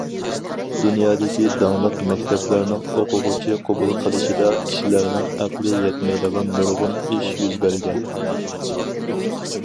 دۇنيادىكى داڭلىق مەكتەپلەرنىڭ ئوقۇغۇچى قوبۇل قىلىشىدا، كىشىلەرنىڭ ئەقلىي يەتمەيدىغان نۇرغۇن ئىش يۈز بەرگەن.